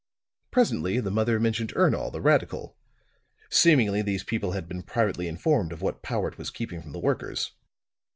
Presently the mother mentioned Ernol, the radical; seemingly these people had been privately informed of what Powart was keeping from the workers.